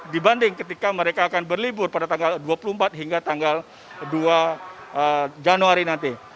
dibanding ketika mereka akan berlibur pada tanggal dua puluh empat hingga tanggal dua januari nanti